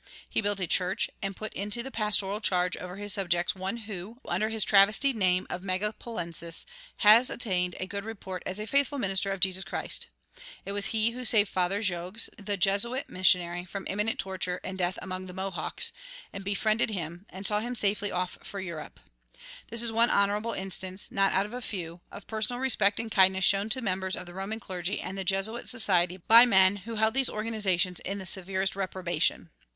He built a church and put into the pastoral charge over his subjects one who, under his travestied name of Megapolensis, has obtained a good report as a faithful minister of Jesus Christ. It was he who saved Father Jogues, the Jesuit missionary, from imminent torture and death among the Mohawks, and befriended him, and saw him safely off for Europe. This is one honorable instance, out of not a few, of personal respect and kindness shown to members of the Roman clergy and the Jesuit society by men who held these organizations in the severest reprobation.